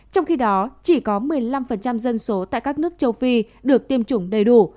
trong khi đó chỉ có một mươi năm dân số tại các nước châu phi được tiêm chủng đầy đủ